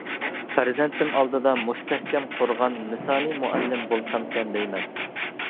پەرزەنتىم ئالدىدا مۇستەھكەم قورغان، مىسالى مۇئەللىم بولسامكەن دەيمەن.